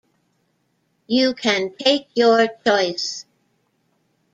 You can take your choice.